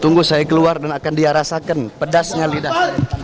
tunggu saya keluar dan akan dia rasakan pedasnya lidah saya